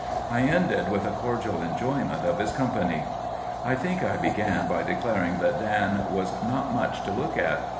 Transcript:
I ended with a cordial enjoyment of his company. "I think I began by declaring that Dan was not much to look at.